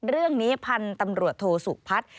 เรื่องนี้พันธุ์ตำรวจโทษภัทร